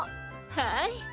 はい。